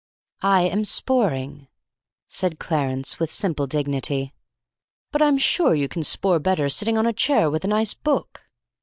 "I am spooring," said Clarence with simple dignity. "But I'm sure you can spoor better sitting on a chair with a nice book."